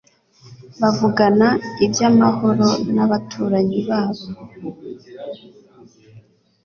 bavugana iby’amahoro n’abaturanyi babo